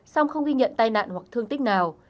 song không ghi nhận tai nạn hoặc thương tích nào